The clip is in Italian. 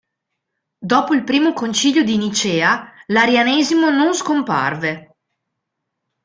Dopo il Primo Concilio di Nicea, l'Arianesimo non scomparve.